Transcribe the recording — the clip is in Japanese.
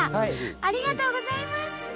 ありがとうございます！